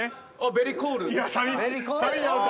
ベリーコールド。